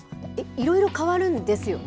いろいろ変わるんですよね。